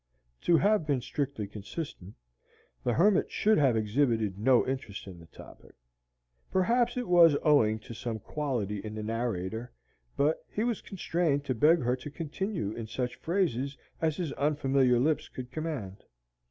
To have been strictly consistent, the hermit should have exhibited no interest in this topic. Perhaps it was owing to some quality in the narrator, but he was constrained to beg her to continue in such phrases as his unfamiliar lips could command.